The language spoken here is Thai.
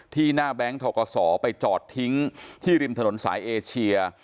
หน้าแบงค์ทกศไปจอดทิ้งที่ริมถนนสายเอเชีย